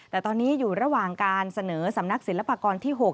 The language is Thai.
แต่ตอนนี้อยู่ระหว่างการเสนอสำนักศิลปากรที่๖